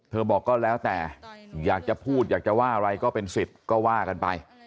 บอกก็แล้วแต่อยากจะพูดอยากจะว่าอะไรก็เป็นสิทธิ์ก็ว่ากันไป